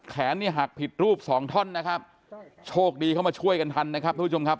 เนี่ยหักผิดรูปสองท่อนนะครับโชคดีเข้ามาช่วยกันทันนะครับทุกผู้ชมครับ